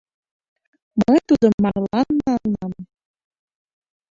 Мый тудым марлан налынам.